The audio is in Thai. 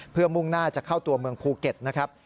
เพื่อมุ่งหน้าจะเข้าตัวเมืองภูเก็ตนะครับ